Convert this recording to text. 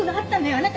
あなた！